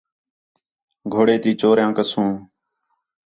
گھوڑے تی چوریاں کسوں